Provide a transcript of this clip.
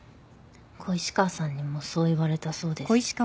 小石川さんにもそう言われたそうです。